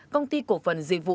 công ty cổ phần dịch vụ